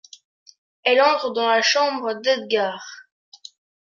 Elle entre dans la chambre d’Edgard.